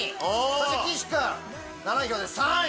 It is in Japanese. そして岸君７票で３位。